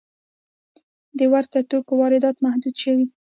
د ورته توکو واردات محدود شوي؟